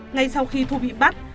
ngay sau khi thu bị bắt